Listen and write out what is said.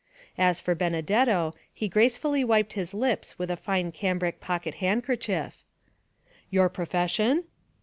As for Benedetto, he gracefully wiped his lips with a fine cambric pocket handkerchief. "Your profession?"